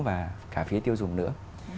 và cả phía tiêu dùng nữa